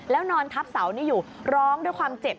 แล้วนอนทับเสานี่อยู่ร้องด้วยความเจ็บ